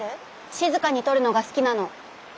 静かにとるのが好きなの。